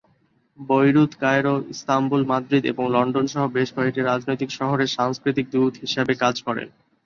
Beirut, Cairo, Istanbul, Madrid এবং London সহ বেশ কয়েকটি রাজধানী শহরে সাংস্কৃতিক দূত হিসাবে কাজ করেন।